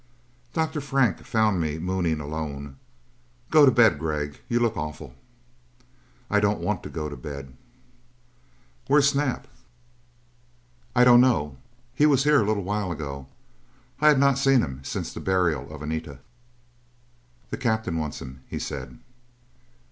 Dr. Frank found me mooning alone. "Go to bed, Gregg. You look awful." "I don't want to go to bed." "Where's Snap?" "I don't know. He was here a little while ago." I had not seen him since the burial of Anita. "The Captain wants him," he said.